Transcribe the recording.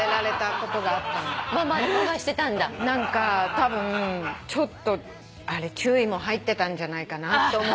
たぶんちょっとあれ注意も入ってたんじゃないかと思う。